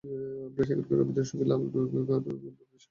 আমরা সেখানে রবীন্দ্রসংগীত, লালনের গান, দুরবীন শাহসহ আরও অনেকের গান করব।